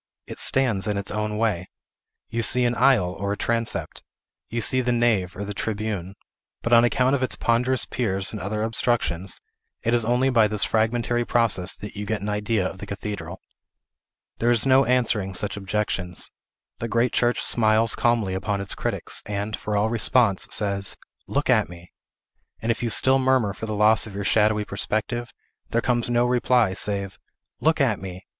It stands in its own way. You see an aisle, or a transept; you see the nave, or the tribune; but, on account of its ponderous piers and other obstructions, it is only by this fragmentary process that you get an idea of the cathedral. There is no answering such objections. The great church smiles calmly upon its critics, and, for all response, says, "Look at me!" and if you still murmur for the loss of your shadowy perspective, there comes no reply, save, "Look at me!"